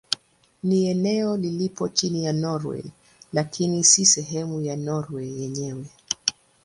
Ni eneo lililopo chini ya Norwei lakini si sehemu ya Norwei yenyewe.